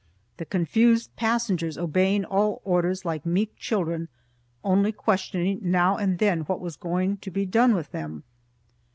the confused passengers obeying all orders like meek children, only questioning now and then what was going to be done with them.